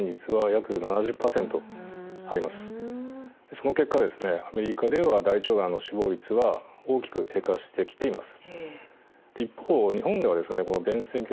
その結果アメリカでは大腸がんの死亡率は大きく低下してきています。